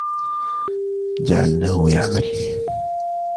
جعلنه يعمل